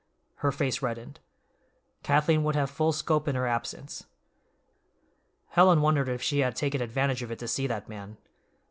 Her face reddened. Kathleen would have full scope in her absence. Helen wondered if she had taken advantage of it to see that man.